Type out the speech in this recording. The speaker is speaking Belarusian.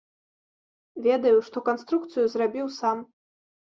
Ведаю, што канструкцыю зрабіў сам.